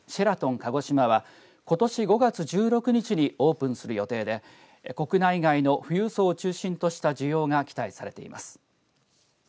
鹿児島はことし５月１６日にオープンする予定で国内外の富裕層を中心とした需要が期待されています。